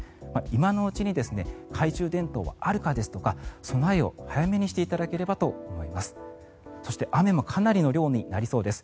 今のうちに懐中電灯はあるかですとか備えを早めにしていただければと思います。